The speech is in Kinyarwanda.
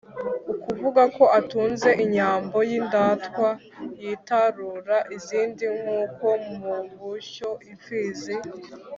ukuvuga ko atunze inyambo y’indatwa yitarura izindi nkuko mu bushyo imfizi